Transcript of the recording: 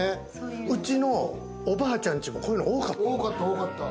うちのおばあちゃんちも、こういうの多かった。